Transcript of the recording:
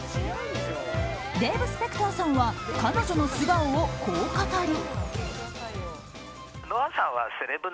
デーブ・スペクターさんは彼女の素顔をこう語る。